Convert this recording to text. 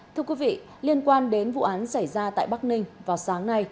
thưa quý vị liên quan đến vụ án xảy ra tại bắc ninh vào sáng nay